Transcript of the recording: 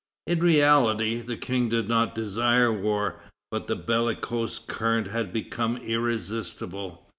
In reality, the King did not desire war, but the bellicose current had become irresistible.